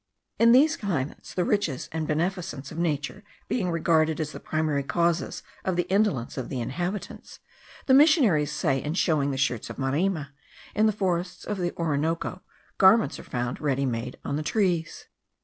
In these climates the riches and beneficence of nature being regarded as the primary causes of the indolence of the inhabitants, the missionaries say in showing the shirts of marima, in the forests of the Orinoco garments are found ready made on the trees.